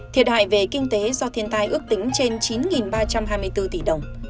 thiệt hại về kinh tế do thiên tai ước tính trên chín ba trăm hai mươi bốn tỷ đồng